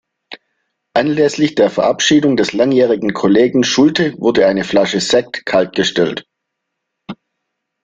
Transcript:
Anlässlich der Verabschiedung des langjährigen Kollegen Schulte wurde eine Flasche Sekt kaltgestellt.